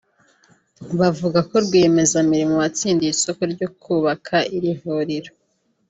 Bavuga ko Rwiyemezamirimo watsindiye isoko ryo kubaka iri vuriro